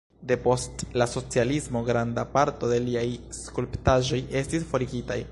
Depost la socialismo granda parto de liaj skulptaĵoj estis forigitaj.